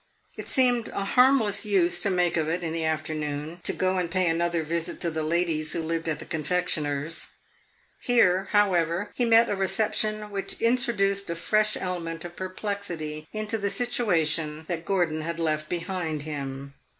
It seemed a harmless use to make of it, in the afternoon, to go and pay another visit to the ladies who lived at the confectioner's. Here, however, he met a reception which introduced a fresh element of perplexity into the situation that Gordon had left behind him.